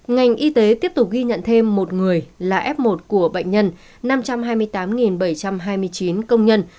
ngành y tế tiếp tục ghi nhận thêm một người là f một của bệnh nhân năm trăm hai mươi tám bảy trăm hai mươi chín công nhân